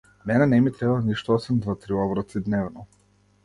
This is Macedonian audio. Мене не ми треба ништо, освен два-три оброци дневно.